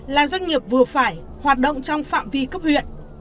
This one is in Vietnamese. là doanh nghiệp vừa phải hoạt động trong phạm vi cấp huyện